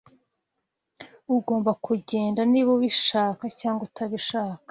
Ugomba kugenda niba ubishaka cyangwa utabishaka.